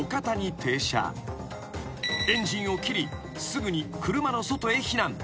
［エンジンを切りすぐに車の外へ避難］